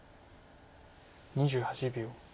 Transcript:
２８秒。